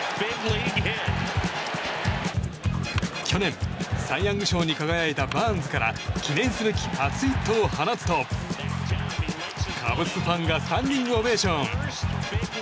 去年、サイ・ヤング賞に輝いたバーンズから記念すべき初ヒットを放つとカブスファンがスタンディングオベーション。